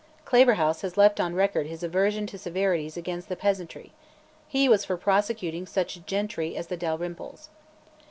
Claverhouse has left on record his aversion to severities against the peasantry; he was for prosecuting such gentry as the Dalrymples.